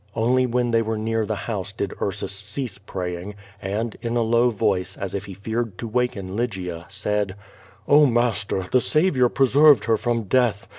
Only when they were near the house did Ursus cease praying, and, in a low voice, as if he feared to waken Lygia, said: "Oh, master, the Saviour preser\'ed her from death.